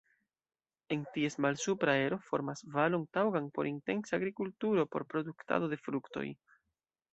En ties malsupra ero formas valon taŭgan por intensa agrikulturo por produktado de fruktoj.